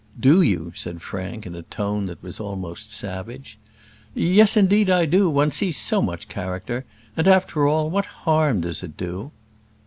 "Do you?" said Frank, in a tone that was almost savage. "Yes; indeed I do. One sees so much character. And after all, what harm does it do?"